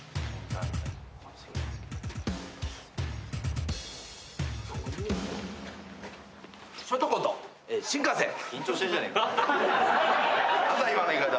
何だ今の言い方。